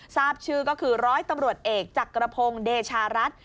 ทราบชื่อก็คือร้อยตำรวจเอกจักรพงศ์เดชารัฐ